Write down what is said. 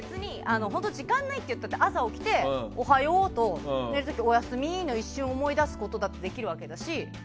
時間がないって言ったって朝に起きておはようと寝る時、おやすみの一瞬を思い出すことだってできるわけだし。